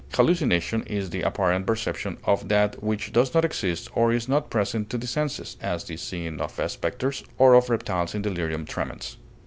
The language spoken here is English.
Hallucination is the apparent perception of that which does not exist or is not present to the senses, as the seeing of specters or of reptiles in delirium tremens.